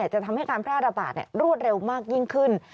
จะทำให้การแพร่ระบาดรวดเร็วมากยิ่งขึ้น